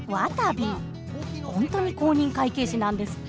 本当に公認会計士なんですって。